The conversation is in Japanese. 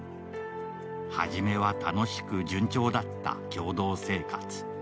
はじめは楽しく順調だった共同生活。